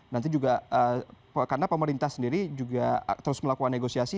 nanti juga karena pemerintah sendiri juga terus melakukan negosiasi